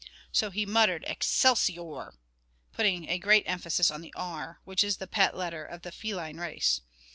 So he muttered, "Excelsior," putting a great emphasis on the "r," which is the pet letter of the feline race.